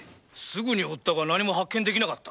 すぐに追ったが何も発見できなかった。